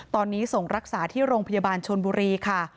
ตอนนี้ส่งรักษาที่โรงพยาบาลชนบุรีค่ะ